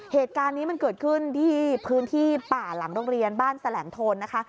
เหตุการณ์นี้มันเกิดขึ้นที่พื้นที่ป่าหลังโรงเรียนบ้านแสลงโทนนะคะ